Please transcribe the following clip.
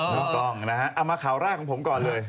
ถูกต้องนะฮะเอามาข่าวแรกของผมก่อนเลย